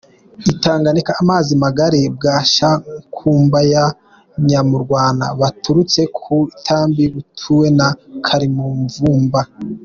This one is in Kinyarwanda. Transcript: Itanganika : ”Amazi magari “ bwa Shankumba ya Nyamurwana, bwaturutse ku Itambi butuwe na Kalimumvumba.